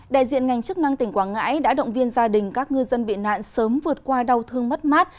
đại diện ngành chức năng tỉnh quảng ngãi đã động viên gia đình các ngư dân bị nạn sớm vượt qua đau thương mất mát